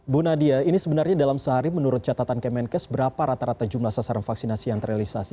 bu nadia ini sebenarnya dalam sehari menurut catatan kemenkes berapa rata rata jumlah sasaran vaksinasi yang terrealisasi